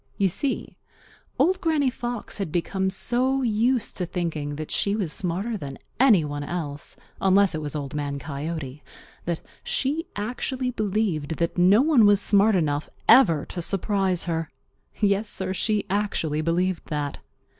You see, Old Granny Fox had become so used to thinking that she was smarter than any one else, unless it was Old Man Coyote, that she actually believed that no one was smart enough ever to surprise her. Yes, Sir, she actually believed that.